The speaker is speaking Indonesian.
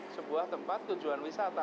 sebuah tempat tujuan wisata